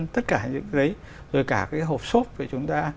tất cả những cái đấy rồi cả cái hộp súp để chúng ta